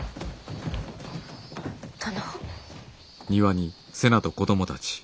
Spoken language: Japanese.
殿。